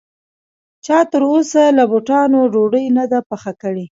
چا تر اوسه له بوټانو ډوډۍ نه ده پخه کړې